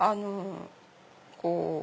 こう。